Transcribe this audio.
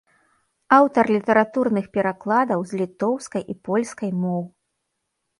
Аўтар літаратурных перакладаў з літоўскай і польскай моў.